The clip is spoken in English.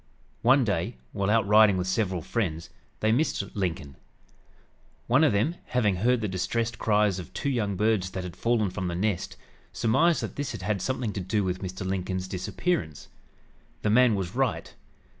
One day, while out riding with several friends, they missed Lincoln. One of them, having heard the distressed cries of two young birds that had fallen from the nest, surmised that this had something to do with Mr. Lincoln's disappearance. The man was right.